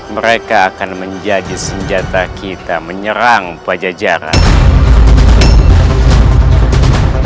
mereka akan menjadi senjata kita menyerang pada jarak